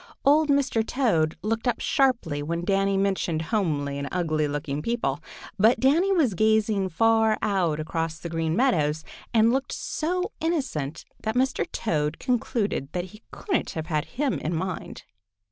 Old Mr. Toad looked up sharply when Danny mentioned homely and ugly looking people, but Danny was gazing far out across the Green Meadows and looked so innocent that Mr. Toad concluded that he couldn't have had him in mind.